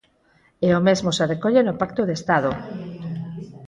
E o mesmo se recolle no Pacto de Estado.